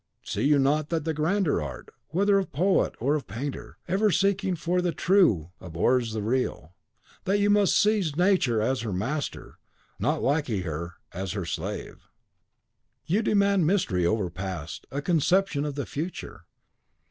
See you not that the grander art, whether of poet or of painter, ever seeking for the TRUE, abhors the REAL; that you must seize Nature as her master, not lackey her as her slave? "You demand mastery over the past, a conception of the future.